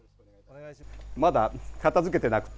まだ片づけてなくて。